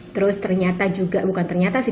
terus ternyata juga bukan ternyata sih